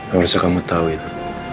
gak usah kamu tahu itu